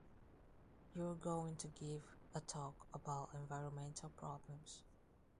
You are going to give a talk about environmental problems.